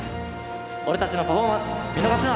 俺たちのパフォーマンス見逃すな！